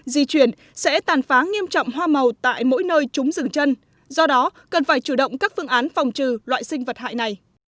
di chuyển sẽ tàn phá nghiêm trọng hoa màu tại mỗi nơi trúng rừng chân do đó cần phải chủ động các phương án phòng trừ loại sinh vật hại này